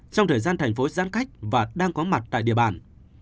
trong thời gian thành phố giãn cách và đang có mặt tại địa bàn